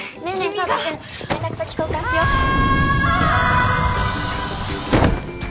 奏汰君連絡先交換しよああ！